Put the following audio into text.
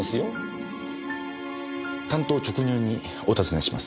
単刀直入にお尋ねします。